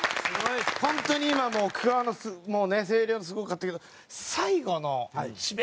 本当に今もうもうね星稜もすごかったけど最後の智弁